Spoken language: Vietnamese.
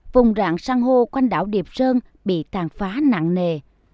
vùng rạng sang hô quanh đảo điệp sơn bị tàn phá nặng nề